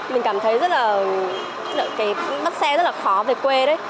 mình cảm thấy rất là cái bắt xe rất là khó về quê đấy